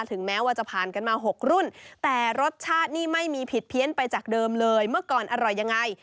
ถึงแม้ว่าจะผ่านกันมา๖รุ่นแต่รสชาตินี่ไม่มีผิดเพี้ยนไปจากเดิมเลยเมื่อก่อนอร่อยยังไง